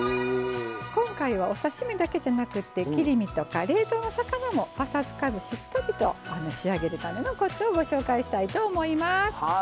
今回はお刺身だけじゃなくて切り身とか冷凍の魚もぱさつかずしっとりと仕上げるためのコツをご紹介したいと思います。